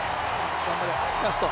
頑張れ、ラスト。